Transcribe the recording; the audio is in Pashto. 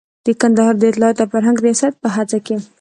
د کندهار د اطلاعاتو او فرهنګ ریاست په هڅه کې.